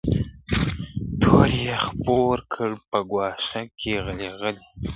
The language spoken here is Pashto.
تور یې خپور کړ په ګوښه کي غلی غلی `